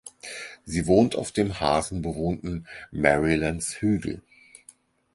Sie wohnt auf dem von Hasen bewohnten Marylands Hügel.